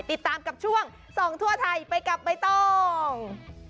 ติดตามกับช่วงส่องทั่วไทยไปกับใบตอง